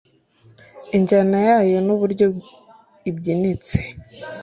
injyana yayo n'uburyo ibyinitse